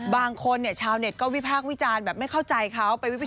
บางคนเนี่ยชาวเน็ตก็วิพากษ์วิจารณ์แบบไม่เข้าใจเขา